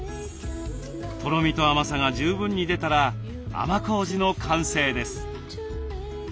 とろみと甘さが十分に出たら甘こうじの完成です。